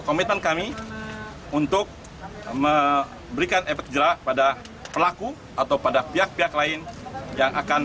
komitmen kami untuk memberikan efek jerak pada pelaku atau pada pihak pihak lain yang akan